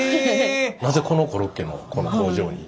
なぜこのコロッケのこの工場に？